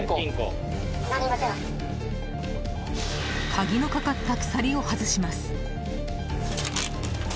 鍵のかかった鎖を外します。